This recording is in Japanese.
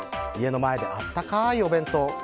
家の前であったカーいお弁当。